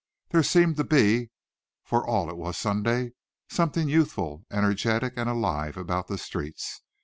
There seemed to be, for all it was Sunday, something youthful, energetic and alive about the streets.